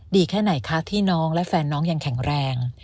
แค่ไหนคะที่น้องและแฟนน้องยังแข็งแรง